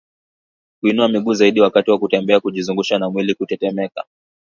kuinua miguu juu zaidi wakati wa kutembea kujizungusha na mwili kutetemeka